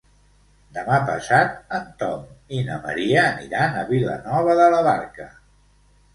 Demà passat en Tom i na Maria aniran a Vilanova de la Barca.